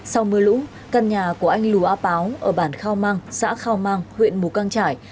sau mưa lũ căn nhà của anh lù á páo ở bản khao mang xã khao mang huyện mù căng trải